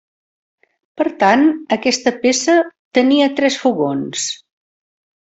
Per tant, aquesta peça tenia tres fogons.